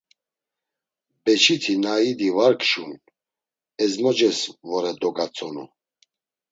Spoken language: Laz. Beçiti na idi var kşun, ezmoces vore dogatzonu.